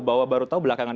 bahwa baru tahu belakangan